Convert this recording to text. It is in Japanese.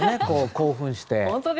興奮して。